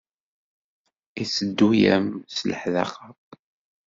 Yetteddu-am s leḥdaqa?